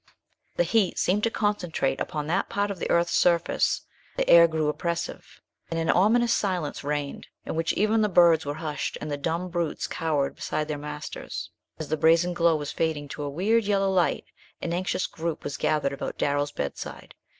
The heat seemed to concentrate upon that part of the earth's surface, the air grew oppressive, and an ominous silence reigned, in which even the birds were hushed and the dumb brutes cowered beside their masters. As the brazen glow was fading to a weird, yellow light, an anxious group was gathered about Darrell's bedside.